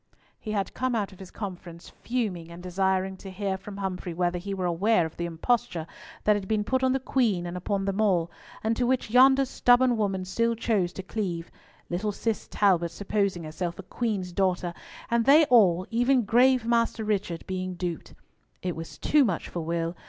He had come out from his conference fuming, and desiring to hear from Humfrey whether he were aware of the imposture that had been put on the Queen and upon them all, and to which yonder stubborn woman still chose to cleave—little Cis Talbot supposing herself a queen's daughter, and they all, even grave Master Richard, being duped. It was too much for Will!